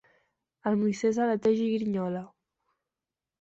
El Moisès aleteja i grinyola.